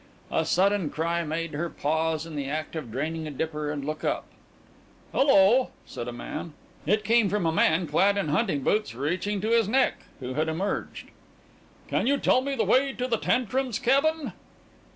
A sudden cry made her pause in the act of draining a dipper and look up. "Hello," said a voice. It came from a man clad in hunting boots reaching to his neck, who had emerged. "Can you tell me the way to the Tantrums' cabin?"